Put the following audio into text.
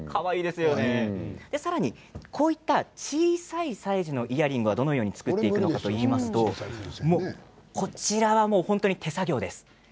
さらに、こういった小さいサイズのイヤリングはどのように作るのかといいますとこちらは手作業です。